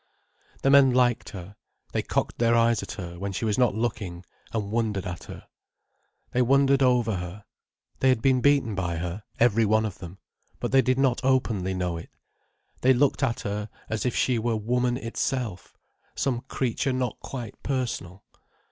The men liked her. They cocked their eyes at her, when she was not looking, and wondered at her. They wondered over her. They had been beaten by her, every one of them. But they did not openly know it. They looked at her, as if she were Woman itself, some creature not quite personal.